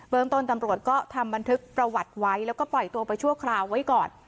ต้นตำรวจก็ทำบันทึกประวัติไว้แล้วก็ปล่อยตัวไปชั่วคราวไว้ก่อน